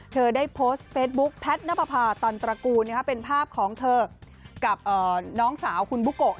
เธอได้โพสต์เฟสบุ๊คแพทย์ณปภาตันตระกูลเป็นภาพของเธอกับน้องสาวคุณบุโกะ